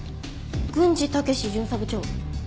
郡司武士巡査部長。